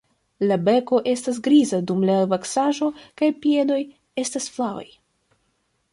La beko estas griza dum la vaksaĵo kaj piedoj estas flavaj.